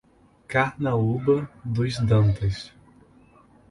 Carnaúba dos Dantas